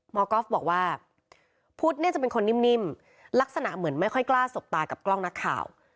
ก๊อฟบอกว่าพุทธเนี่ยจะเป็นคนนิ่มลักษณะเหมือนไม่ค่อยกล้าสบตากับกล้องนักข่าว